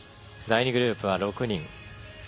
第２グループは６人。